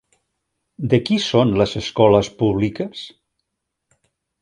De qui són les escoles públiques?